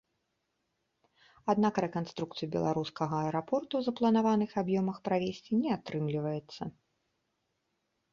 Аднак рэканструкцыю беларускага аэрапорта ў запланаваных аб'ёмах правесці не атрымліваецца.